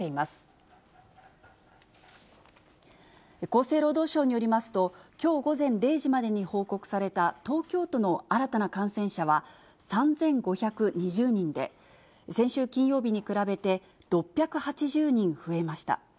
厚生労働省によりますと、きょう午前０時までに報告された東京都の新たな感染者は３５２０人で、先週金曜日に比べて６８０人増えました。